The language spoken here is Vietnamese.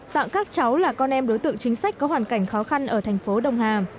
tặng các cháu là con em đối tượng chính sách có hoàn cảnh khó khăn ở thành phố đông hà